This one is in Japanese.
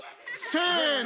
せの。